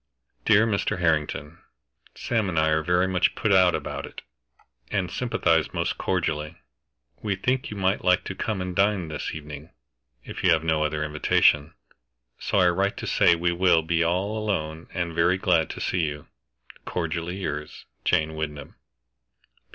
"DEAR MR. HARRINGTON, Sam and I are very much put out about it, and sympathize most cordially. We think you might like to come and dine this evening, if you have no other invitation, so I write to say we will be all alone and very glad to see you. Cordially yours, "JANE WYNDHAM."